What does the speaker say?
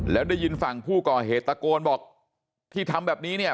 แล้วได้ยินฝั่งผู้ก่อเหตุตะโกนบอกที่ทำแบบนี้เนี่ย